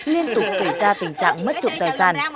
liên tục xảy ra tình trạng mất trộm tài sản